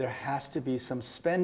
mereka tidak bisa melakukan